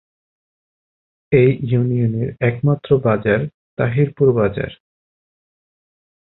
এই ইউনিয়নে একমাত্র বাজার তাহিরপুর বাজার।